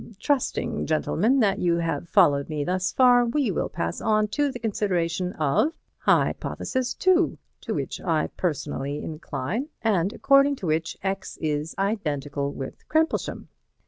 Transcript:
Trusting, gentlemen, that you have followed me thus far, we will pass to the consideration of Hypothesis No. 2, to which I personally incline, and according to which X is identical with Crimplesham.